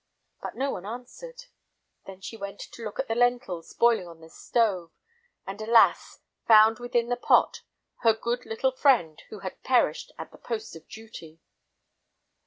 but no one answered. Then she went to look at the lentils boiling on the stove, and, alas! found within the pot her good little friend, who had perished at the post of duty.